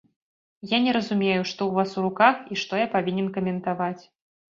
Я не разумею, што ў вас у руках і што я павінен каментаваць.